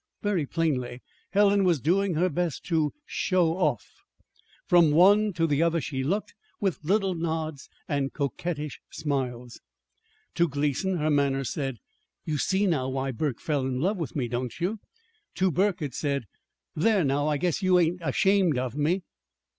Very plainly Helen was doing her best to "show off." From one to the other she looked, with little nods and coquettish smiles. To Gleason her manner said: "You see now why Burke fell in love with me, don't you?" To Burke it said: "There, now I guess you ain't ashamed of me!"